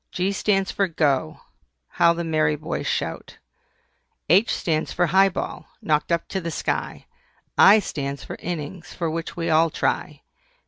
G stands for "GO" How the merry boys shout! H stands for HIGH BALL, knocked up to the sky. I stands for INNINGS, for which we all try.